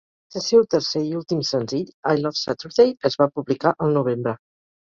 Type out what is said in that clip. Se seu tercer i últim senzill, "I Love Saturday", es va publicar el novembre.